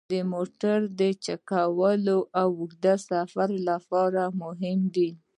د موټر چک کول د اوږده سفر لپاره مهم دي.